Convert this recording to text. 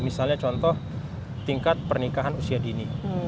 misalnya contoh tingkat pernikahan usia dini